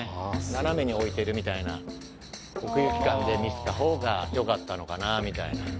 斜めに置いてるみたいな奥行き感で見せた方がよかったのかなみたいな。